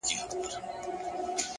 اخلاص د عمل رنګ ښکلی کوي؛